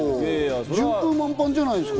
順風満帆じゃないですか。